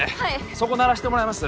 そこ鳴らしてもらえます？